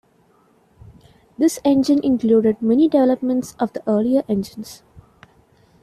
This engine included many developments of the earlier engines.